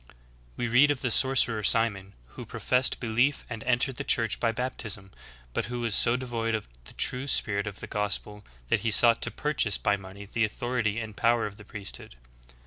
We read of the sorcerer Simon, who professed belief and entered the Church by bap tism, but who was so devoid of the true spirit of the gospel that he sought to purchase by money the authority and power of the priesthood.